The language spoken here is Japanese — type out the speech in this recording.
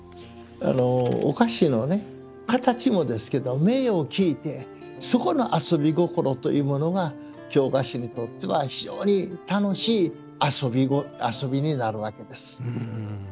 お菓子のね形もですけど銘を聞いてそこの遊び心というものが京菓子にとっては非常に楽しい遊びになるわけです。